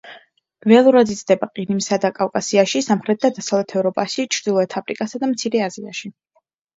ველურად იზრდება ყირიმსა და კავკასიაში, სამხრეთ და დასავლეთ ევროპაში, ჩრდილოეთ აფრიკასა და მცირე აზიაში.